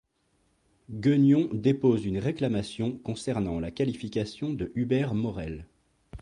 Gueugnon dépose une réclamation concernant la qualification de Hubert Morel.